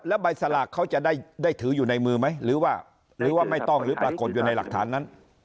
แล้วใบสลากเขาจะได้ถืออยู่ในมือไหมหรือว่าหรือว่าไม่ต้องหรือปรากฏอยู่ในหลักฐานนั้น